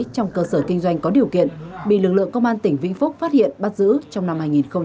trong cơ sở kinh doanh có điều kiện bị lực lượng công an tỉnh vĩnh phúc phát hiện bắt giữ trong năm hai nghìn hai mươi ba